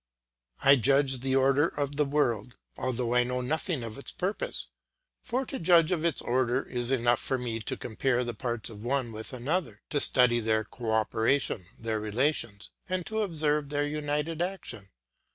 I judge of the order of the world, although I know nothing of its purpose, for to judge of this order it is enough for me to compare the parts one with another, to study their co operation, their relations, and to observe their united action.